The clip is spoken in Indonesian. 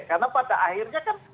karena pada akhirnya kan